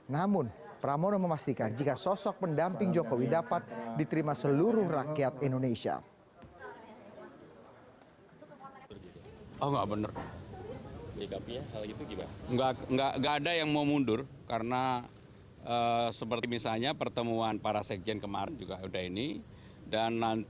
namun pramono memastikan jika sosok pendamping jokowi dapat diterima seluruh rakyat indonesia